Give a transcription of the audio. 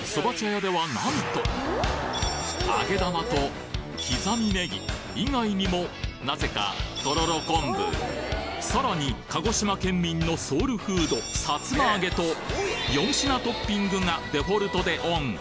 屋ではなんとあげ玉と刻みネギ以外にもなぜかとろろ昆布さらに鹿児島県民のソウルフードさつま揚げと４品トッピングがデフォルトでＯＮ！